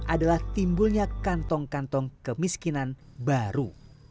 adalah timbulnya kantong kantong kemiskinan baru